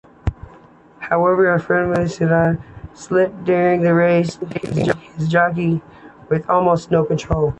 However, Affirmed's saddle slipped during the race, leaving his jockey with almost no control.